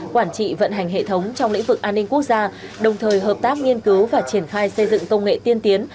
quản trị vận hành hệ thống trong lĩnh vực an ninh quốc gia đồng thời hợp tác nghiên cứu và triển khai xây dựng công nghệ tiên tiến